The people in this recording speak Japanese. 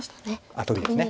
あっトビですね。